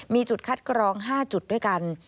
มีจุดคัดกรอง๕จุดด้วยกัน